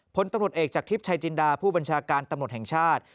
พลตำรวจเอกจากทริปชายจินดาผู้บัญชาการตำรวจแห่งชาติ